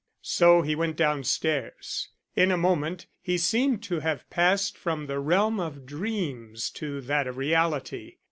So he went down stairs. In a moment he seemed to have passed from the realm of dreams to that of reality.